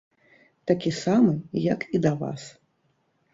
Такі самы, як і да вас.